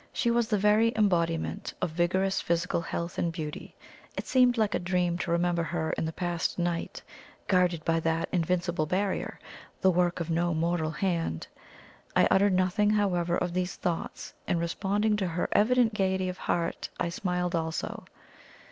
She was the very embodiment of vigorous physical health and beauty; it seemed like a dream to remember her in the past night, guarded by that invincible barrier, the work of no mortal hand. I uttered nothing, however, of these thoughts, and responding to her evident gaiety of heart, I smiled also.